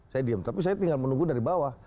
saya diem tapi saya tinggal menunggu dari bawah